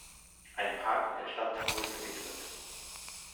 Ein Park in der Stadt wurde gewidmet.